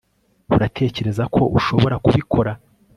uratekereza ko ushobora kubikora